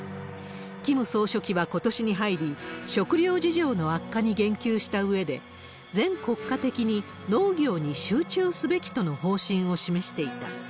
キム総書記はことしに入り、食糧事情の悪化に言及したうえで、全国家的に農業に集中すべきとの方針を示していた。